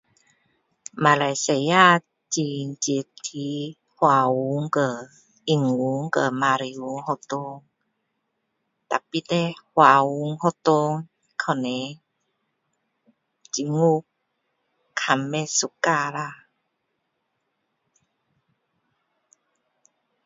马来西亚很支持华文和英文和马来文学校可是叻华文学校可能政府较不喜欢啦